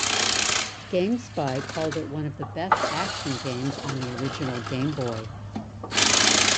GameSpy called it one of the best action games on the original Game Boy.